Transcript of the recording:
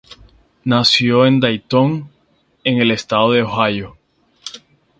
Nació en Dayton, en el estado de Ohio.